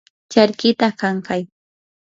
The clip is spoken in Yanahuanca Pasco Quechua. charkita kankay.